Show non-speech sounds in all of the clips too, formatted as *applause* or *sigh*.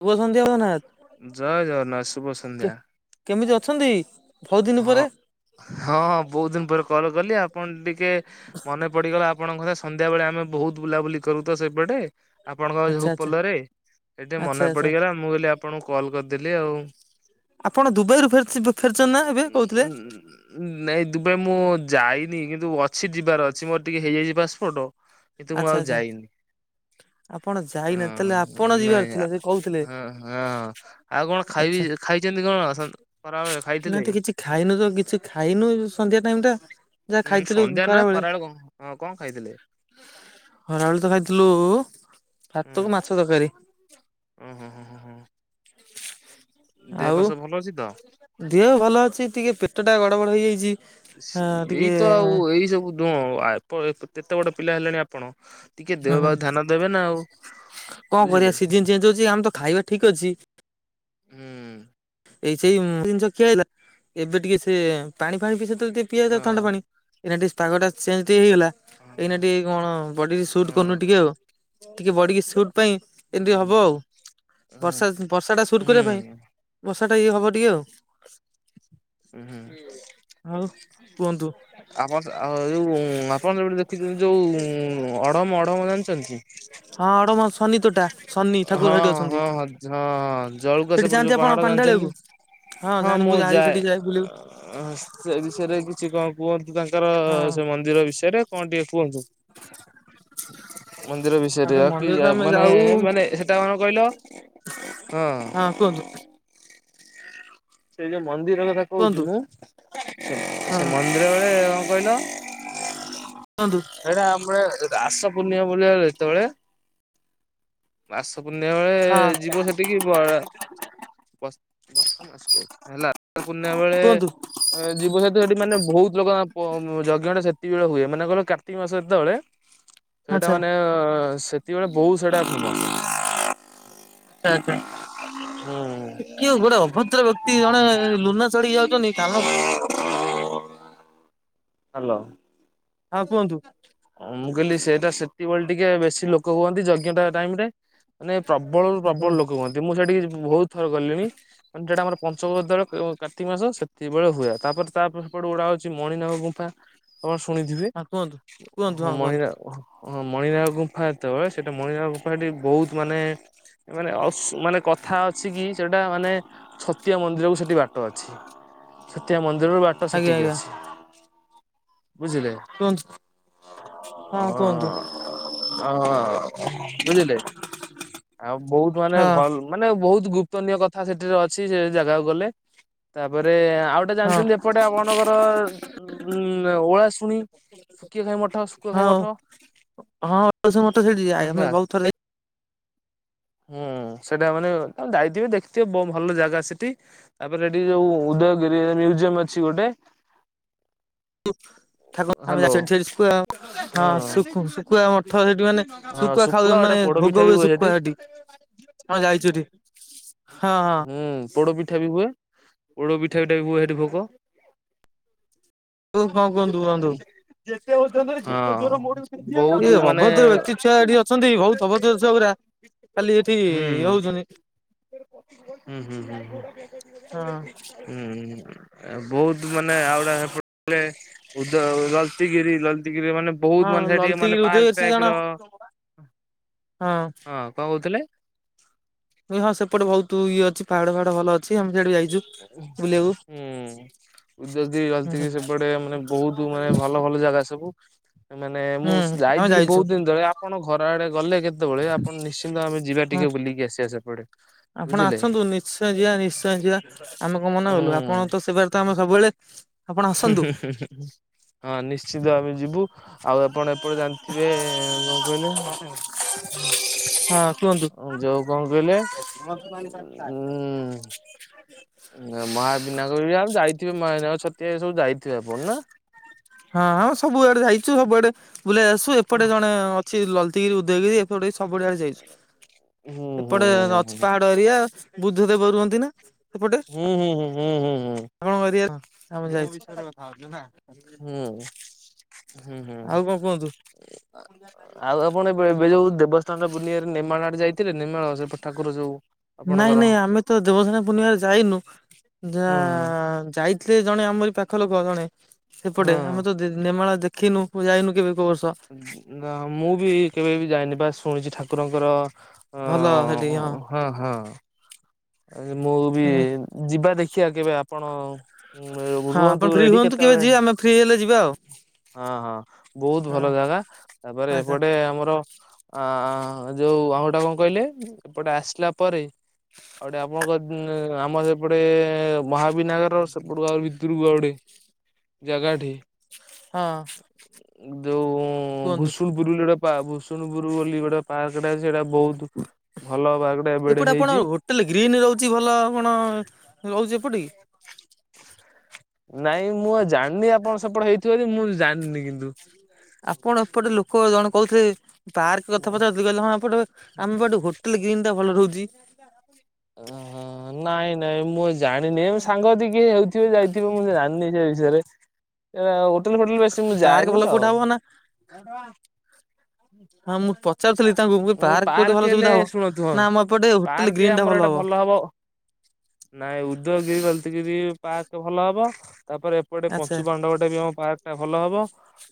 ଶୁଭସନ୍ଧ୍ୟା *unintelligible* ଜୟ ଜଗନ୍ନାଥ ଶୁଭ ସନ୍ଧ୍ୟା। କେମିତି ଅଛନ୍ତି? ବହୁତ ଦିନ ହଁ ପରେ ହଁ ହଁ ବହୁତ୍ ଦିନ ପରେ କଲ କଲି ଆପଣ ଟିକେ ମନେ ପଡ଼ିଗଲା ଆପଣଙ୍କ କଥା ସନ୍ଧ୍ୟାବେଳେ ଆମେ ବହୁତ୍ ବୁଲାବୁଲି କରୁତ ସେପଟେ। ଆପଣଙ୍କ ର ଆଚ୍ଛା ଯୋଉ ଆଚ୍ଛା ପୋଲ ରେ ସେଠି ଆଚ୍ଛା ମନେ ଆଚ୍ଛା ପଡ଼ିଗଲା ମୁଁ କହିଲି ଆପଣଙ୍କୁ କଲ କରିଦେଲି ଆଉ। ଆପଣ ଦୁବାଇ ରୁୁ ଫେ ଫେରିଛନ୍ତି ନା ଏବେ କହୁଥିଲେ? ନାଇଁ ଦୁବାଇ ମୁଁ ଯାଇନି କିନ୍ତୁ ଅଛି ଯିବାର ଅଛି ମୋର ଟିକେ ହେଇଯାଇଛି ପାସପୋର୍ଟ। କିନ୍ତୁ ମୁଁ ଆଚ୍ଛା ଆଉ ଆଚ୍ଛା ଯାଇନି। ଆପଣ ଯାଇନାହାନ୍ତି ତାହେଲେ ହଁ ଆପଣ ଯିବାର ଥିଲା ନାଇଁ ସେ କହୁଥିଲେ ହଁ ହଁ। ଆଉ କଣ ଆଚ୍ଛା ଖାଇବି ଖାଇଛନ୍ତି କଣ ସ ଖରାବେଳେ ଖାଇ ନାଇଁ ତ କିଛି ଖାଇନ ତ କିଛି ଖାଇନୁ ସନ୍ଧ୍ୟା ଟାଇମ୍ ଟା। ଯାହା ଉଁ ଖାଇଥିଲୁ ସନ୍ଧ୍ୟା ନୁହେଁ ଖରାବେଳେ ଖରାବେଳୁ କ କଣ ଖାଇଥିଲେ? ଖରାବେଳେ ତ ଖାଇଥିଲୁ ଭାତ କୁ ମାଛ ତରକାରୀ। ହୁଁ ହୁଁ ହୁଁ ହୁଁ। ଦେହ ଆଉ ପା ସବୁ ଭଲ ଅଛି ତ? ଦେହ ଭଲ ଅଛି ଟିକେ ପେଟ ଟା ଗଡ଼ ବଡ଼ ହେଇଯାଇଛି। ହଁ ଟିକେ ଏଇତ ଆଉ ଏଇ ସବୁୁ *unintelligible* କେତେ ବଡ଼ ପିଲା ହେଲେଣି ଆପଣ। ଟିକେ ଦେହ ହୁଁ ପା କୁ ଧ୍ୟାନ ଦେବେ ନା ଆଉ। କଣ ବୁଝିଲେ କରିବା ସିଜନ୍ ଚେଞ୍ଜ ହଉଛି ଆମେ ତ ଖାଇବା ଠିକ୍ ଅଛି। ହୁଁ। ଏଇ ସେଇ ଜିନିଷ ଖିଆ ହେଲା ଏବେ ଟିକେ ସେ ପାଣି ଫାଣି ପି ସେ *unintelligible* ହଁ ଥଣ୍ଡା ପାଣି *unintelligible* ପାଗ ଟା ଚେଞ୍ଜ ହେଇଗଲା ଏଇନା ହଁ। ଟିକେ କଣ ବଡ଼ି କି ସୁଟ୍ କରୁନି ହଁ ଟିକେ ଆଉ। ଟିକେ ବଡି଼ କି ସୁଟ୍ ପାଇଁ ଏମିତି ହଁ ହବ ଆଉ ବର୍ଷା ହୁଁ। ବର୍ଷା ଟା ସୁଟ୍ କରିବା ପାଇଁ ହୁଁ ବର୍ଷା ଟା ଇଏ ହବ ଟିକେ ଆଉ। ହୁଁ ଆଉ ହୁଁ କୁହନ୍ତୁ। ଆପଣ ଆ ଯୋଉ ଆପଣ *unintelligible* ରଖିଛନ୍ତି ଯୋଉ ଅଢମ ଅଢମ ଜାଣିଛନ୍ତି? ହଁ ଆଡମସ ଶନି ତୋଟା ଶନି ହଁ ଠାକୁର ସେଇଠି ଅଛନ୍ତି, ହଁ ହଁ ହଁ ଜଳୁକା ସେଠି ସେପଟେ ଯୋଉ ଯାଆନ୍ତି ପାହାଡ ଆପଣ ପାଣି ଜାଣିଛନ୍ତି? ଢାଳିଆକୁ? ହଁ ଜାଣ ମୁଁ ଯାଇ ସେଠି ଯାଏ ବୁଲି ଆକୁ। ଅ ସେ ବିଷୟରେ କିଛି କଣ କୁହନ୍ତୁ ତାଙ୍କର ହଁ। ସେ ମନ୍ଦିର ବିଷୟରେ କଣ ଟିକେ କୁହନ୍ତୁ? ମନ୍ଦିର ଆଉ ସେ ବିଷୟରେ ରକି ମନ୍ଦିର ତ ଯାଏ ଆମେ ମାନେ ଯାଉ ମାନେ। ସେଟା ମାନେ କଣ କହିଲ ହଁ। ହଁ କୁହନ୍ତୁ? ସେଇ ଯୋଉ ମନ୍ଦିର କଥା କହୁଛି କୁହନ୍ତୁ ମୁଁ ସେ ହଁ ମନ୍ଦିର ବେଳେ କଣ କହିଲ? କୁହନ୍ତୁ? ସେଇଟା ଆମ ରାସ ପୂର୍ଣ୍ଣିମା ପଡିବ ଯେତେବେଳେ। ରାସ ପୂର୍ଣ୍ଣିମା ବେଳେ ହଁ ଯିବ ସେଠ *unintelligible* ଏ କୁହନ୍ତୁ ଯିବ ସହିତୁ ସେଠି ମାନେ ବହୁତ ଲୋକ ଯଜ୍ଞଟା ସେତକିବେଳେ ହୁଏ ମାନେ କହିଲ କାର୍ତ୍ତିକ ମାସ ସେତେବେଳେ। ସେଇଟା ଆଚ୍ଛା। ମାନେ ସେତିବେଳେ ବହୁ ସେଇଟା ମାସ କିଉ ଗୋଟେ ଅଭଦ୍ର ବ୍ୟକ୍ତି ଜଣେ ଲୁନା ଚଢି ଯାଉଛନ୍ତି କାନ ହ୍ୟାଲୋ। ହଁ କୁହନ୍ତୁ? ମୁଁ କହିଲି ସେଇଟା ସେତିକିବେଳେ ଟିକେ ବେଶୀ ଲୋକ ହୁଅନ୍ତି ଯଜ୍ଞ ଟା ଟାଇମ ରେ। ମାନେ ପ୍ରବଳରୁୁ ହଁ ପ୍ରବଳ କୁହନ୍ତୁ ଲୋକ କୁହନ୍ତି, ମୁଁ ସେଠିକି ବହୁତ ଥର ଗଲିଣି ମାନେ ସେଟା ଆମର ପଞ୍ଚୁକ ଯେତେବେଳେ କାର୍ତ୍ତିକ ମାସ ସେତିକିବେଳେ ହୁଏ, ତାପରେ ତା ସେପଟ ଗୁଡା ହଉଛି ମଣିନାଗ ଗୁମ୍ଫା। ଆପଣ ଶୁଣିଥିବେ? ହଁ କୁହନ୍ତୁ? କୁହନ୍ତୁ ହଁ କୁହନ୍ତୁ ମଣିରା ହଁ ମଣିନାଗ ଗୁମ୍ଫା ତ ସେଇଟା ମଣିରା ସେଠି ବହୁତ ମାନେ ମାନେ ମାନେ କଥା ଅଛି କି ସେଟା ମାନେ ଛତିଆ ମନ୍ଦିରକୁ ସେଠି ବାଟ ଅଛି, ଛତିଆ ମନ୍ଦିରରୁ ବାଟ ଆଜ୍ଞା ସେଠିକି ଆଜ୍ଞା ଅଛି। ବୁଝିଲେ? *inaudible* ହଁ କୁହନ୍ତୁ ବୁଝିଲେ? ଆଉ ବହୁତ ମାନେ ହଁ ଭ ମାନେ ବହୁତ ଗୁପ୍ତନୀୟ କଥା ସେଠିରେ ଅଛି ସେ ଜାଗାକୁ ଗଲେ ତାପରେ ଆଉ ଏ ହଁ ଜାଣିଛନ୍ତି ଏପଟେ ଆପଣଙ୍କର ଉ ଓଳା ଶୁଣି ଶୁକିଆ ଖାଇ ମଠ ଶୁକୁଆ ଖାଇ ହଁ ମଠ ହଁ *unintelligible* ଠ ଯାଏ ଆମେ ହେଲା ବହୁତ ଥରେ ହୁଁ ସେଇଟା ମାନେ ଯାଇଥିବେ ଦେଖିଥିବେ ବହୁ ଭଲ ଜାଗା ସେଠି। ତାପରେ ଏଠି ଯୋଉ ଉଦୟଗିରି ମ୍ୟୁଜିୟମ ଅଛି ଗୋଟେ। *inaudible* ଥରେ ହ୍ୟାଲୋ ସେଠି ହୁଁ ମାନେ ହଁ ଶୁଖୁଆ ଖାଉ ଗୋଟେ ମାନେ ପୋଡ ପିଠା ଭୋଗ ବି ହୁଏ ଶୁଖୁଆ ସେଠି। ହଁ ଯାଇଛୁ ସେଠି, ହଁ ହଁ। ହୁଁ ପୋଡ ପିଠା ବି ହୁଏ, ପୋଡ ପିଠା ବିଠା ବି ହୁଏ ସେଠି ଭୋଗ। ହୁଁ କଣ କୁହନ୍ତୁ କୁହନ୍ତୁ? ଏ ଅଭଦ୍ର ହଁ ବହୁତ ମାନେ ବ୍ୟକ୍ତି ଛୁଆ ଏଠି ଅ ଅଛନ୍ତି ବହୁତ ଅଭଦ୍ର ଛୁଆ ଗୁରା। ଖାଲି ସେଠି ହୁଁ ଇଏ ହଉଛନ୍ତି, ହୁଁ ହୁଁ ହୁଁ ହୁଁ। ହଁ। ହୁଁ ବହୁତ ମାନେ ଆଉଡା ଏପଟେ ତ ଲଲତିଗିରି ଲଲତିଗିରିରେ ମାନେ ହଁ ବହୁତ ମାନେ ସେଠିକି ମାନେ ଲଲତିଗିରି ଉଦୟଗିରି ପାର୍କ ସେ ଜଣ ଟାଇପ ର, ହଁ କଣ କହୁଥିଲେ? ମୁଁ କହିଲି ହଁ ସେପଟେ ବହୁତ ଇଏ ଅଛି ପାହାଡ ଫହାଡ ଭଲ ଅଛି ଆମ ସେଆଡୁ ଯାଇଛୁ। ବୁଲିବାକୁ ହୁଁ। ଉଦୟଗିରି ହୁଁ ଲଲତିଗିରି ସେପଟେ ମାନେ ବହୁତ ମାନେ ଭଲ ଭଲ ଜାଗା ସବୁ। ମାନେ ମୁଁ ହୁଁ ଆମେ ଯାଇଥିଲି ଯାଇଛୁ ବହୁତ ଦିନ ତଳେ ଆପଣ ଘର ଆଡ଼େ ଗଲେ କେତେବେଳେ ଆପଣ ନିଶ୍ଚିନ୍ତ ଆମେ ଯିବା ହଁ। ଟିକେ ବୁଲିକି ଆ ସିଆ ସେପଡ଼େ। ଆପଣ ଆସନ୍ତୁନ୍। ନିଶ୍ଚୟ ଯିବା ନିଶ୍ଚୟ ଯିବା ଆମେ କଣ ମନା କଲୁ ଆପଣ ହୁଁ। ତ ସେବାରେ ତ ଆମେ ସବୁବେଳେ। ଆପଣ ଆସନ୍ତୁ ହଁ ନିଶ୍ଚିତ ଆମେ ଯିବୁ ଆଉ ଆପଣ ଏପଟେ ଜାଣିଥିବେ କଣ କହିଲେ? ହଁ କୁହନ୍ତୁ। ଯୋଉ କଣ କହିଲେ ମଆବିନାୟକ ବି ଆ ଯାଇଥିବେ ମହାବିନା ଛତିଆ ଏସବୁ ଯାଇଥିବେ ଆପଣ ନା? ହଁ ହଁ ସବୁଆଡ଼େ ଯାଇଛୁ ସବୁଆଡେ ବୁଲେଇ ଆସଛୁ ଏପଟେ ଜଣେ ଅ ଛି ଲଲତିଗିରି ଉଦୟଗିରି ଏପଟ ସବୁଆଡ଼େ ଯାଇଚୁ। ହୁଁ ହୁଁ ଏପଟେ ହୁଁ ଅଛି ପାହାଡ଼ ଏରିଆ ବୁଦ୍ଧ ଦେବ ରୁହନ୍ତି ନା? ହୁଁ ହୁଁ ହୁଁ ହୁଁ ହୁଁ। ହୁଁ କଣ କରିଆ ଆମେ ଯାଇଛୁ *unintelligible* ହୁଁ ହୁଁ ହୁଁ। ଆଉ କଣ କୁହନ୍ତୁ? ଆଉ ଆପଣ ଏବେ ଏବେ ଯୋଉ ଦେବସ୍ନାନ ପୂନିମାରେ ନିମାଳ ଆଡ଼େ ଯାଇଥିଲେ ନିମାଳ ସେପଟେ ଠାକୁର ଯୋଉ? ନାଇଁ ଆପଣଙ୍କର ନାଇଁ ଆମେ ତ ଦେବସେନା ପୂର୍ଣ୍ଣିମାରେ ଯାଇନୁ ଯା ହୁଁ ଯାଇ ଲେ ଜଣେ ଆମରି ପାଖ ଲୋକ ଜଣେ। ପଟେ ହଁ। ଆମେ ତ ଦି ନିମାଳା ଦେଖିନୁ ଯାଇନୁ କେବେ କୋଉ ବର୍ଷ। ନା ମୁଁ ବି କେବେ ବି ଯାଇନି ବାସ୍ ଶୁଣିଛି ଠାକୁରଙ୍କର ଅ ଭଲ ସେଠି ହଁ ହଁ। ଏ ମୁଁ ବି ହୁଁ ଯିବା ଦେଖିବା କେବେ ଆପଣ ଉଁ ହଁ ଆପଣ ରୁହନ୍ତୁ ଫ୍ରି ରେଡ଼ି ହୁଅନ୍ତୁ କେବେ କେତେବେଳେ। ଯିବେ ଆମେ ଫ୍ରି ହେଲେ ଯିବା ଆଉ। ହଁ ହଁ ବହୁତ ହଁ ଭଲ ଜାଗା ତାପରେ ଆଚ୍ଛା। ଏପଟେ ଆମର ଅ ଯୋଉ ଆମଟା କଣ କହିଲେ ଏପଟେ ଆସିଲା ପରେ ଏପଟେ ଆପଣଙ୍କ ଉଁ ଆମର ଏପଟେ ମହାବିନାୟକ ର ସେପଟକୁ ଆଉ ଭିତରକୁ ଗୋଟେ ଜାଗାଟେ। ହଁ। ଯୋଉ କୁହନ୍ତୁ ଭୂସୁଣପୁର ବୋଲି ଗୋଟେ ପା ଭୂସୁଣପୁର ବୋଲି ଗୋଟେ ପାର୍କଟା ସେଟା ବହୁତ ଭଲ ପାଗଟା ଏପଟେ ହେଇଛି। ତାଲେ ଗ୍ରୀନ୍ ରହୁଛି ଭଲ କଣ ରହୁଛି ଏପଟେ କି? ନାଇଁ ମୁଁ ଆ ଜାଣିନି ଆପଣ ସେପଟେ ହେଇଥିବ ବୋଲି ମୁଁ ଜାଣିନି କିନ୍ତୁ। ଆପଣ ଏପଟେ ଲୋକ ଜଣ କହୁଥିଲେ ପାର୍କ କଥା ପଚାରୁ ଥିଲେ କହିଲି ହଁ ଏପଟେ ଆମ ପଟେ ହୋଟେଲ ଗ୍ର୍ରୀନ୍ ଟା ଭଲ ରହୁଛି। ଓହୋ ନାଇଁ ନାଇଁ ମୁଁ ଜାଣିନି ଏମିତି ସାଙ୍ଗସାଥୀ କିଏ ଥିବେ ଯାଇଥିବେ ମୁଁ ଜାଣିନି ସେ ବିଷୟରେ ହୋଟେଲ ଫୋଟେଲ ବେଶୀ ମୁଁ ପାର୍କ ଭଲ ଯାଏନି ତ। କୋଉଟା ହବ ନା ହଁ ମୁଁ ପଚାରୁଥିଲି ତାଙ୍କୁ ଉଁ ପାର୍କ କୋଠି ଭଲ ହେଲେ ସୁବିଧା ଶୁଣନ୍ତୁ ହଁ ହବ ନା ଆମ ଏପଟେ ହୋଟେଲ ପାର୍କ ଗ୍ରୀନ୍ ଟା ଆମର ଏଇଟା ଭଲ ହବ। ନାଇଁ ଉଦୟଗିରି ଲଲିତଗିରି ପାର୍କ ଭଲ ହବ ତାପରେ ସେପଟେ ଆଚ୍ଛା ପଞ୍ଚୁ ପାଣ୍ଡବ ଟା ବି ଆମ ପାର୍କଟା ଭଲ ହବ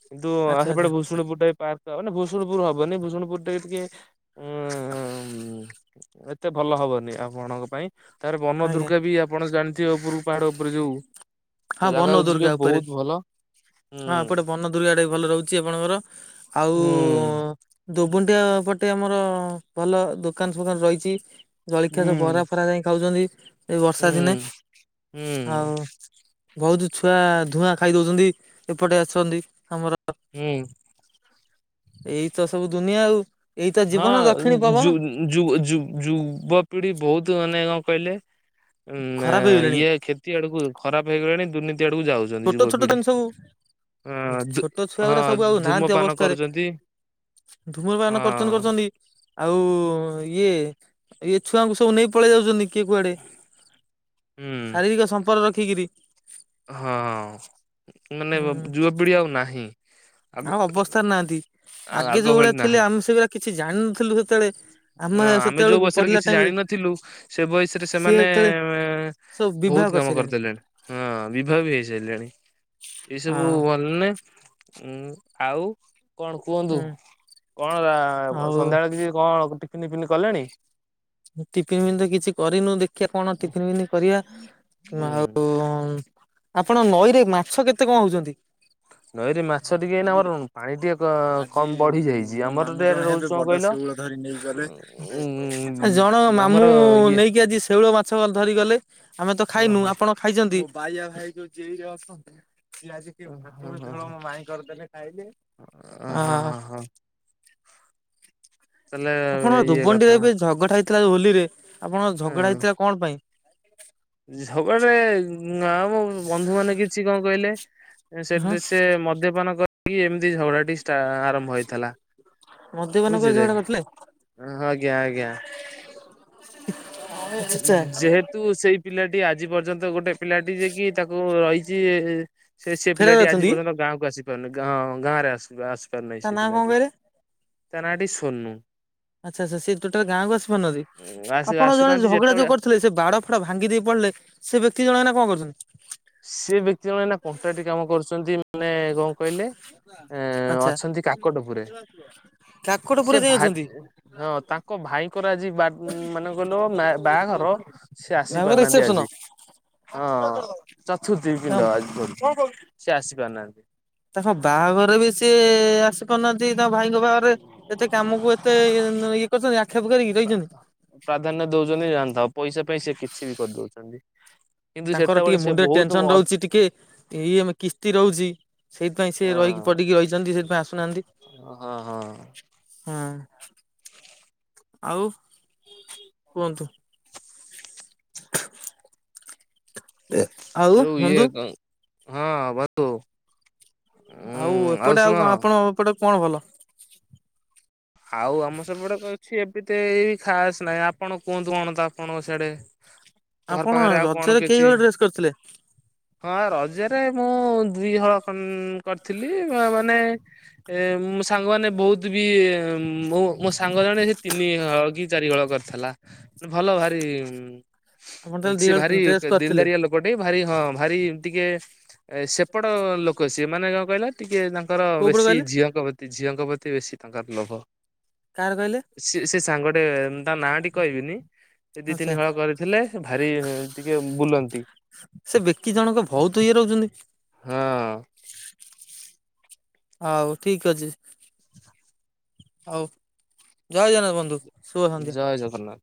କିନ୍ତୁ ଆଚ୍ଛା ଆଚ୍ଛା ହେପଟେ ଭୁଷୁଣୀପୁର ଟା ବି ପା ତ ମାନ ଭୁସୁଣୁପୁର ହବନି ଭୂଷୁଣପୁର ଟାବି ଟିକେ ଉଁ ଏତେ ଭଲ ହବନି ଆପଣଙ୍କ ପାଇଁ। ତାର ବନ ଆଜ୍ଞା। ଦୁର୍ଗା ବି ଆପଣ ଜାଣିଥିବେ ଉପରକୁ ପାହାଡ଼ ଉପରେ ଯୋଉ। ହଁ ସେ ବନ ଜାଗାକୁ ଦୁର୍ଗା ଯିବେ ଉପରେ ବହୁତ ଭଲ ହୁଁ। ଦୁର୍ଗାଟା ବି ଭଲ ରହୁଛି ଆପଣଙ୍କର ହୁଁ ଆଉ ଦୋବୁଣ୍ଡିଆ ପଟେ ଆମର ଭଲ ଦୋକାନ ଫୋକାନ ରହିଛି। ଜଳଖିଆ ଯୋଉ ହୁଁ ବରା ଫରା ଯାଇ ଖାଉଛନ୍ତି ଏଇ ବର୍ଷା ଦିନେ ହୁଁ ଆଉ ବହୁତ ଛୁଆ ଧୂଆଁ ଖାଇଦଉଛନ୍ତି ଏପଟେ ଆସନ୍ତି ଆମର ହୁଁ। ଏଇତ ସବୁ ଦୁନିଆ ଆଉ ଏଇତ ଜୀବନ ଦକ୍ଷିଣୀ ପବନ। ଯୁ ଯୁ ଯୁବପିଢ଼ି ବହୁତ ମାନେ କ କହିଲେ? ଉଁ, ଖରାପ ହେଇଗଲେଣି ଇଏ ଖେତି ଆଡକୁ ଖରାପ ହେଇଗଲାଣି, ଦୁର୍ନୀତି ଆଡକୁ ଯାଉ ଚନ୍ତି ଛୋଟ ଛୋଟ ଯୁବପିଢି, ଜିନିଷ ସବୁ ହଁ ଦୁ ଛୋଟ ଛୁଆ ଗୁରା ହଁ ସବୁ ଆଉ ଧୂମପାନ କରୁଚନ୍ତି। ଧୂମରପାନ କରଚନ୍ତି, କରଚନ୍ତି ଆଉ ଇଏ, ଇଏ, ଛୁଆଙ୍କୁ ସବୁ ନେଇ ପଳେଇ ଆଉଚନ୍ତି କିଏ କୁଆଡେ, ହୁଁ ଶାରୀରିକ ସମ୍ପର୍କ ରଖିକିରି ହଁ, ମାନେ ହୁଁ ଯୁବପିଢି ଆଉ ନାହିଁ। ଆଗ ଆଉ ଅବସ୍ଥା ନାହାନ୍ତି, ଆ- ଆଗେ ଆଗ ଯୋଉ ଭଳି ଭଳିଆ ଥିଲେ ନାହାନ୍ତି ଆମେ ସେଭଆ କିଛି ଜାଣିନଥିଲୁ ସେତେବେଳେ ହଁ ଆମେ ଯୋଉ ସେତେବେଳକୁ ବୟସରେ ପଢିଲା କିଛି ଟାଇମ ରେ ଜାଣିନଥିଲୁ ସେ ବୟସରେ ସିଏ ସେମାନେ ଯେତେବେଳେ ସବୁ ବିବାହ ବହୁତ କାମ କରିସାରିଲେଣି କରିଦଲେଣି। ହଁ, ବିଭା ବି ହେଇ ସାଇଲେଣି, ଏଇ ହଁ ସବୁ ଭଲ ନେ ଉୁଁ, ଆଉ କଣ କୁହନ୍ତୁ ହୁଁ କଣ ଆଉ ସନ୍ଧ୍ୟାବେଳେ କିଛି କଣ ଟିଫିନ ଫିନ କଲେଣି? ଟିଫିନ ପିନ ତ କିଛି କରିନୁ ଦେଖିବା କଣ ଟିଫିନ ଫିପିନ କରିବା ଆଉ, ଆପଣ ନଈରେ ମାଛ କେତେ କ ହଉଛନ୍ତି? ନଈରେ ମାଛ ଟିକେ ଏଇନା ଅରୁଣ ପାଣି ଟିକେ କ କମ ବଢି ଯାଇଚି ଆମର ଟ ରହୁଚ ଣ କହିଲ? ଜଣ ଉଁ ଆମର ମାମୁଁ ଇଏ ନେଇକି ଆଜି ଶେଉଳ ମା ଛମା ଧରି ଗଲେ, ଆମେ ତ ହଁ ଖାଇନୁ ହଁ ଆପଣ ଖାଇଛନ୍ତି? ହଁ ହଁ ହଁ ଅ ହଁ ହଁ ହଁ ତାହେଲେ ଆପଣ ଇଏ ଦୁବୁଣ୍ଡିରେ କଥା ଏବେ ଝଗଡା ହେଇଥିଲା ହୋଲିରେ, ଆପଣଙ୍କ ଝଗଡା ହେଇଥିଲା କଣ ପାଇଁ? ଝଗଦେ ନାଁ ଆମ ବନ୍ଧୁ ମାନ କିଛି କ କହିଲେ ଏ ସେଦ୍ ହଁ ସେ ମଦ୍ୟପାନ କରିକି ଏମିତି ଝଗଡା ଟି ଟା ଆରମ୍ଭ ହେଇଥିଲା ମଦ୍ୟପାନ କରି ବୁଝିଲେ ଝଗଡା କରିଥିଲେ ଆଜ୍ଞା ଆଜ୍ଞା। ଯେହେ ତୁ ସେଇ ପିଲାଟି ଆଜି ପର୍ଯ୍ୟନ୍ତ ଗୋଟେ ପିଲାଟି ଜୀଏକି ତାକୁ ଆଇଚିି ସେ ସେ ଫେରାରେ ପିଲାଟି ଅଛନ୍ତି ଆଜି କି? ପର୍ଯ୍ୟନ୍ତ ଗାଁକୁ ଆସି ପାରୁନି ଗାଁ ଗାଁରେ ଆଶିବ ଆସିପାରୁନାହିଁ ତା ସେ ନାଁ କଣ ପିଲାଟି। କହିଲେ ତା ନାଁଟି ସୋନୁ ଆଚ୍ଛା ଆଚ୍ଛା ସେ ଟୋଟାଲ ଗାଁକୁ ଆସପନଦି ଆସୁ ଆପଣ ଆସୁନାହାନ୍ତି ଝଗଡା ଯୋଉ ଯେତେବେଳେ କରିୁଥିଲେ ସେ ବାଡ ଫାଡ ଭାଙ୍ଗି ଦେଇ ପଳେଇଲେ ସେ ବ୍ୟକ୍ତି ଜଣ ଏଇନା କଣ କରୁଚନ୍ତି? ସେ ବ୍ୟକ୍ତି ଜଣେ ଏନା କଣ୍ଟାଟି କାମ କରୁଚନ୍ତି ମାନେ କ କହିଲେ ଅ ଆଚ୍ଛା ଅଛନ୍ତି କାକଟପୁରେ କାକଟପୁରରେ ସେ ଯାଇ ଭା ଅଛନ୍ତି ହଁ ତାଙ୍କ ଭାଇଙ୍କର ଆଜି ବା ମାନେ ଗଲ ବା ବାହାଘର ସ୍ ସେ ଆସି ପାରନାହାନ୍ତି ଆଜି। ଆ ହଁ ଚତୁର୍ଥୀ ପିଣ୍ଡ ଆଜି କରୁଚି ସେ ଆସି ପାରୁନାହାନ୍ତି। ତାଙ୍କ ବାହାଘର ବି ସିଏ ଆସ କରୁନାହାନ୍ତି ତାଙ୍କ ଭାଇଙ୍କ ବାହାଘରେ ଏତେ କାମକୁ ଏତେ ଇଏ କରୁଛନ୍ତି ଆକ୍ଷେପ କରିକି ରଇଛନ୍ତି। ପ୍ରାଧାନ୍ୟ ଦଉଛନ୍ତି ଜାଣତାଉ ପଇସା ପାଇଁ ସେ କିଛି ବି କରଦୋଉଚନ୍ତି। ତାଙ୍କର ଟିକେ ମୁଣ୍ଡ ଟେନସନ ରହୁଚି ଟିକେ ଏଇ ଆମ କିସ୍ତି ରହୁଚି। ସେଇଥିପାଇଁ ସେ ରହିକି ପଡିକି ରହିଚନ୍ତି ସେଥିଇଁ ଆସୁନାହାନ୍ତି। ଓ ହଁ ହଁ। ହୁଁ। ଆଉ କୁହନ୍ତୁ? ହ ଯଉ ଏଇ ହଁ ଭତୁ। ଆଉ ଏପଟେ ଆଉ କ ଆପଣ ଏପଟେ କ ଭଲ? ଆଉ ଆମ ସେପଟେ ତ ଇଛି ଏବିତେଇ ଖାସ ନାହିଁ ଆପଣ କୁହନ୍ତୁ କଣ ଚ ଆପଣଙ୍କ ସିଆଡେ ଘର ଆପଣ ପାଖରେ ଆଉ କଣ ରଜରେ କେଇ କିଚି ହଳ ଡ୍ରେସ କରିଥିଲେ? ହଁ ରଜରେ ମୁଁ ଦୁଇ ହଳ କନ କରଥିଲି ମା ମାନେ ଏ ମୋ ସାଙ୍ଗମାନେ ବହୁତ ବି ମୋ ମୋ ସାଙ୍ଗ ଜଣେ ସେ ତିନି ହଳ କି ଚାରି ହଳ କରିଥିଲା। ଭଲ ଭାରି ଆପଣ ଉଁ ତାହେଲେ ଦି ସିଏ ହଳ ଭାରି ଡ୍ରେସ କରିଥିଲେ ଦିଲଦାରିଆ ଲୋ ଗୋଟେ ଭାରି ହଁ ଭାରି ଟିକେ ଅଁ ସେପଟ ଲୋକ ସିଏ ମାନେ କଣ କହିଲା ଟିକେ ତା ତାଙ୍କର କୋଉ ପଟେ ବେଶୀ କହିଲେ ଝିଅଙ୍କ ପ୍ରତି ଝିଅଙ୍କ ପ୍ରତି ବେଶୀ ତାଙ୍କର ଲୋଭ। କାହାର କହିଲେ? ସିଏ ସେ ସାଙ୍ଗଟେ ତା ନାଁଟିି କହିବିନି। ଏ ଦି ଆଚ୍ଛା। ତିନି ହଳ କରିଥିଲେ ଭାରି ଟିକେ ବୁଲନ୍ତି। କି ଜଣଙ୍କୁ ବହୁତ ଇଏ ରହୁଛନ୍ତି ହଁଅ। ହଉ ଠିକ ଅଛି। ହଉ ଜୟ ଜଗନ୍ନାଥ ବନ୍ଧୁ। ଶୁଭ ସନ୍ଧ୍ୟା। ଜୟ ଜଗନ୍ନାଥ।